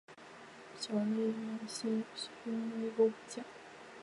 小笠原信兴是日本战国时代至安土桃山时代的武将。